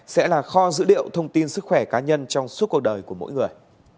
sẽ là kho dữ liệu thông tin sức khỏe cá nhân trong suốt cuộc đời của mỗi người